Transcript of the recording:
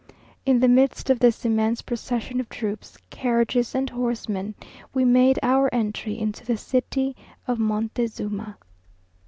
In the midst of this immense procession of troops, carriages, and horsemen, we made our entry into the city of Montezuma.